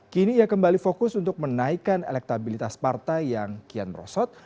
kini ia kembali fokus untuk menaikkan elektabilitas partai yang kian merosot